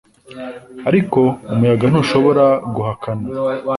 ariko umuyaga ntushobora guhakana